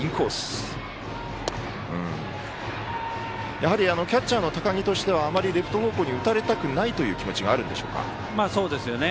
やはりキャッチャーの高木としてはレフト方向に打たれたくないという気持ちがあるんでしょうか。